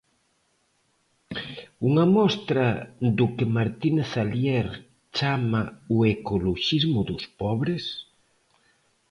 Unha mostra do que Martínez Alier chama o ecoloxismo dos pobres?